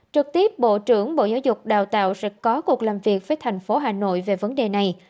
trực tiếp bộ trưởng bộ giáo dục đào tạo sẽ có cuộc làm việc với thành phố hà nội về vấn đề này